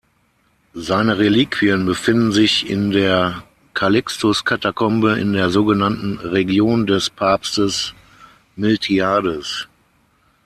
Seine Reliquien befinden sich in der Calixtus-Katakombe in der sogenannten "Region des Papstes Miltiades".